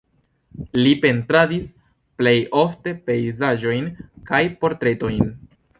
Li pentradis plej ofte pejzaĝojn kaj portretojn.